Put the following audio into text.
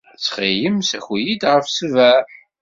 Ttxil-m, ssaki-iyi-d ɣef ssebɛa.